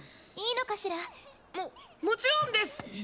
いいのかしら？ももちろんです。